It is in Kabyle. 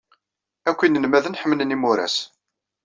Akk inelmaden ḥemmlen imuras.